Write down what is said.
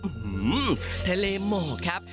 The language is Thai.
หือทะเลหมอกครับ